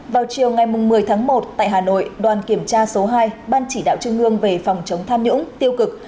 vào chiều ngày một mươi tháng một tại hà nội đoàn kiểm tra số hai ban chỉ đạo trung ương về phòng chống tham nhũng tiêu cực